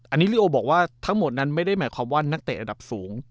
อันนี้ลิโอบอกว่าทั้งหมดนั้นไม่ได้หมายความว่านักเตะระดับสูง